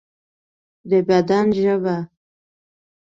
د بدن ژبه